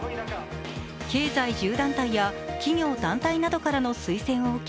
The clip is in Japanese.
経済１０団体や企業・団体などからの推薦を受け